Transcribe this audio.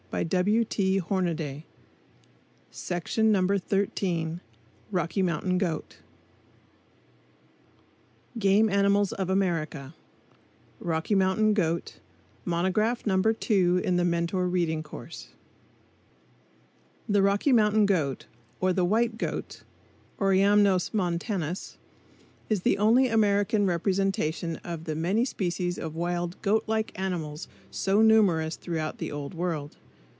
VOL. 4. No. 13. SERIAL No. 113 [Illustration: ROCKY MOUNTAIN GOAT] Game Animals of America ROCKY MOUNTAIN GOAT Monograph Number Two in The Mentor Reading Course The Rocky Mountain goat, or the white goat (Oreamnos montanus), is the only American representation of the many species of wild goat like animals so numerous throughout the Old World.